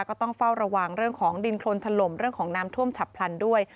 ก็ต้องเฝ้าระวังเรื่องของดินโครนถล่มเรื่องของน้ำท่วมฉับพลันด้วย